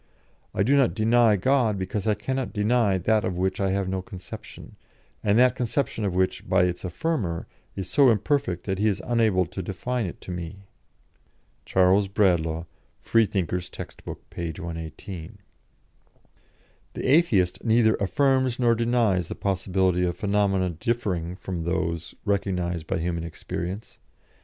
I do not deny God, because I cannot deny that of which I have no conception, and the conception of which, by its affirmer, is so imperfect that he is unable to define it to me."' (Charles Bradlaugh, "Freethinker's Text book," p. 118.) The Atheist neither affirms nor denies the possibility of phenomena differing from those recognised by human experience....